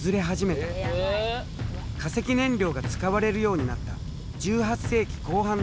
化石燃料が使われるようになった１８世紀後半の産業革命からだ。